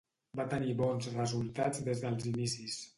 Va tenir bons resultats des dels inicis.